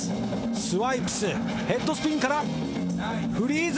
スワイプスヘッドスピンからフリーズ。